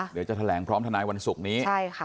เดี๋ยวจะแถลงพร้อมทนายวันศุกร์นี้